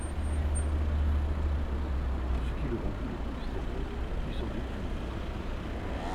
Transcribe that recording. Ce qui le rendit le plus célèbre fut sans doute son vibrato.